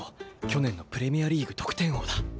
去年のプレミアリーグ得点王だ。